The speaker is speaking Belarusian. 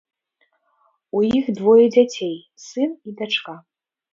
У іх двое дзяцей, сын і дачка.